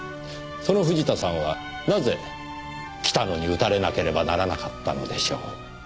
その藤田さんはなぜ北野に撃たれなければならなかったのでしょう？